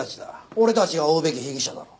俺たちが追うべき被疑者だろ。